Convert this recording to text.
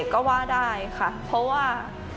ก็ว่าได้ค่ะเพราะว่า